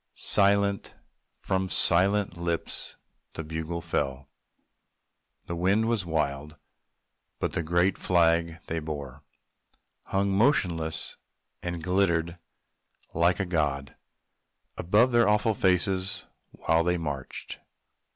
(Silent from silent lips the bugle fell.) The wind was wild; but the great flag they bore, Hung motionless, and glittered like a god Above their awful faces while they marched.